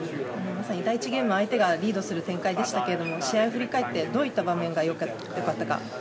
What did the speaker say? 第１ゲーム相手がリードする展開でしたけど試合を振り返ってどういった場面が良かったか。